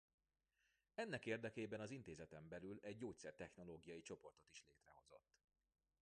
Ennek érdekében az intézeten belül egy gyógyszer-technológiai csoportot is létrehozott.